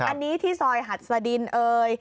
อันนี้ที่ซอยหัดสดินเอ่ย